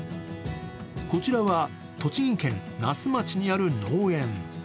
こちらは栃木県那須町にある農園。